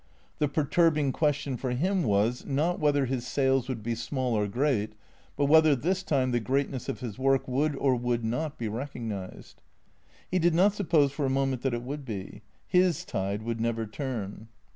The perturbing question for him was, not whether his sales would be small or great, but whether this time the greatness of his work would or would not be recognized. He did not suppose for a moment that it would be. His tide would never turn.